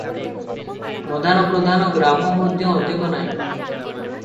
ପ୍ରଧାନ ପ୍ରଧାନ ଗ୍ରାମ ମଧ୍ୟ ଅଧିକ ନାହିଁ ।